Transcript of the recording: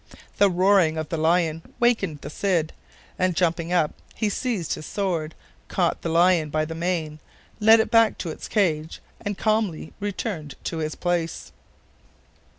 The roaring of the lion wakened the Cid, and jumping up he seized his sword, caught the lion by the mane, led it back to its cage, and calmly returned to his place.